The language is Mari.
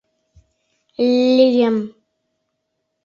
Л-л-лӱем.